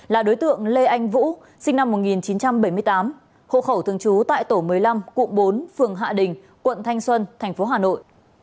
là đối tượng lê anh vũ sinh năm một nghìn chín trăm bảy mươi tám hộ khẩu thường trú tại tổ một mươi năm cụm bốn phường hạ đình quận thanh xuân tp hà nội